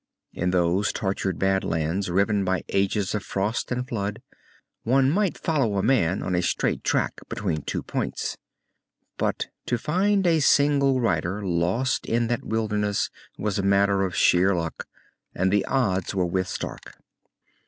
In those tortured badlands, riven by ages of frost and flood, one might follow a man on a straight track between two points. But to find a single rider lost in that wilderness was a matter of sheer luck, and the odds were with Stark.